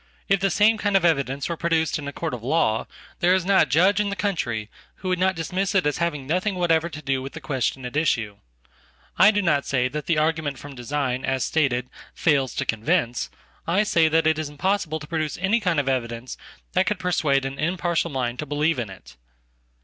If the same kind of evidence were produced in a courtof law, there is not a judge in the country who would not dismissit as having nothing whatever to do with the question at issue. Ido not say that the argument from design, as stated, fails toconvince; I say that it is impossible to produce any kind ofevidence that could persuade an impartial mind to believe in it.